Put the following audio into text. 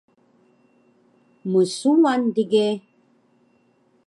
Msuwan dige